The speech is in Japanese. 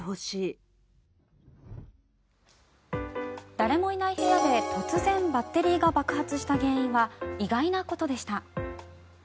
誰もいない部屋で突然バッテリーが爆発した原因は意外なことでした。